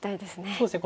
そうですね